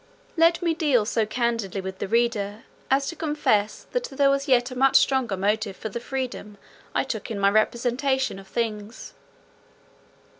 Let me deal so candidly with the reader as to confess that there was yet a much stronger motive for the freedom I took in my representation of things.